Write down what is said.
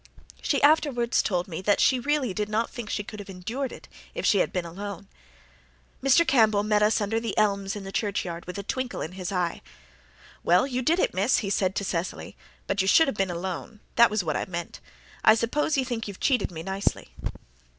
She afterwards told me that she really did not think she could have endured it if she had been alone. Mr. Campbell met us under the elms in the churchyard, with a twinkle in his eye. "Well, you did it, Miss," he said to Cecily, "but you should have been alone. That was what I meant. I suppose you think you've cheated me nicely."